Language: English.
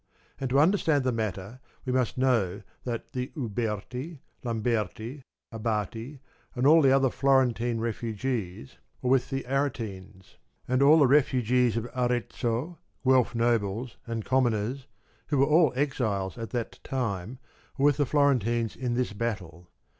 And to understand the matter we must know that the Uberti, Lamberti, Abati and all the other Florentine refugees were with the Aretines, and all the refugees of Arezzo, Guelf nobles and commoners, ii8 who were all exiles at that time, were with the Floren tines in this battle.